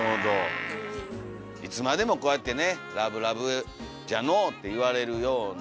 いつまでもこうやってね「ラブラブじゃのお」って言われるような。